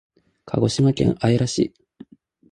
鹿児島県姶良市